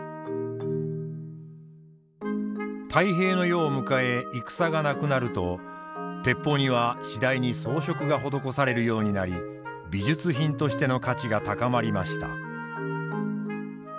太平の世を迎え戦がなくなると鉄砲には次第に装飾が施されるようになり美術品としての価値が高まりました。